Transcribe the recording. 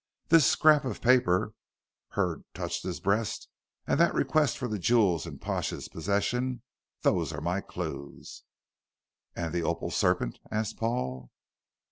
This scrap of paper," Hurd touched his breast, "and that request for the jewels in Pash's possession. Those are my clues." "And the opal serpent?" asked Paul.